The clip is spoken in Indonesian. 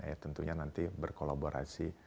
ya tentunya nanti berkolaborasi